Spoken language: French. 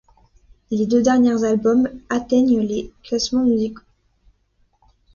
Les deux derniers albums atteignent les classements musicaux.